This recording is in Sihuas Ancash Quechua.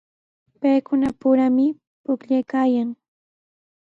Paykunapurallami pukllaykaayan.